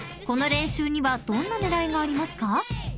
この練習にはどんな狙いがありますか？］